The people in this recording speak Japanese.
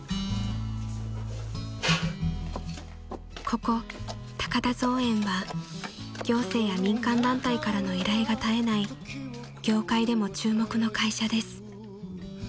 ［ここ高田造園は行政や民間団体からの依頼が絶えない業界でも注目の会社です］